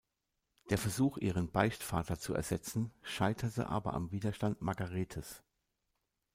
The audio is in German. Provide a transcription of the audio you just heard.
Der Versuch ihren Beichtvater zu ersetzen, scheiterte aber am Widerstand Margaretes.